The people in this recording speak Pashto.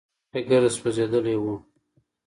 سر او مخ يې ګرده سوځېدلي وو.